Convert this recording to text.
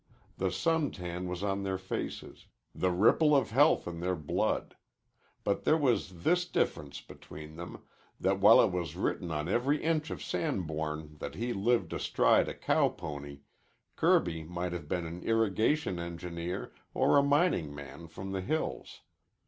The sun tan was on their faces, the ripple of health in their blood. But there was this difference between them, that while it was written on every inch of Sanborn that he lived astride a cow pony, Kirby might have been an irrigation engineer or a mining man from the hills.